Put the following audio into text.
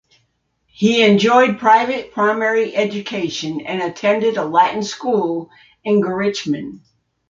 He enjoyed private primary education, and attended a latin school in Gorinchem.